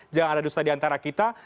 jangan ada dusta di antara kita